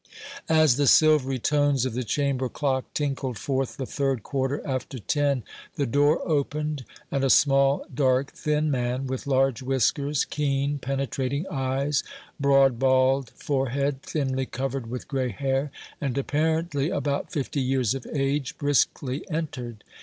As the silvery tones of the chamber clock tinkled forth the third quarter after ten, the door opened, and a small, dark, thin man, with large whiskers, keen, penetrating eyes, broad, bald forehead, thinly covered with gray hair, and apparently about fifty years of age, briskly entered.